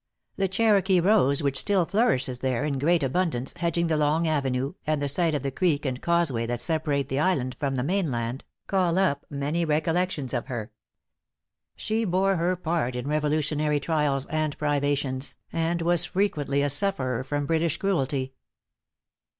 The Cherokee rose which still flourishes there in great abundance, hedging the long avenue, and the sight of the creek and causeway that separate the island from the mainland, call up many recollections of her. She bore her part in Revolutionary trials and privations, and was frequently a sufferer from British cruelty.